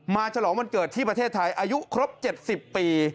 ฉลองวันเกิดที่ประเทศไทยอายุครบ๗๐ปี